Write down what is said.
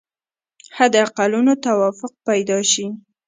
حد اقلونو توافق پیدا شي.